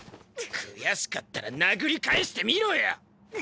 悔しかったら殴り返してみろよ！